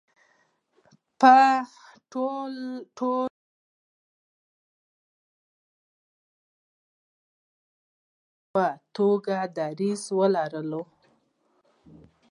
په ټولو ملي چارو کې د یو واحد ملت په توګه دریځ ولرو.